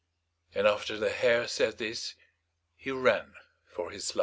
And after the Hare said this, he ran for his life.